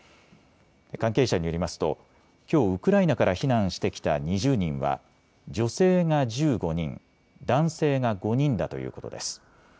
関係者によりますときょうウクライナから避難してきた２０人は女性が１５人、男性が５人だということです。